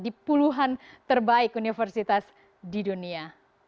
di puluhan terbaik universitas di dunia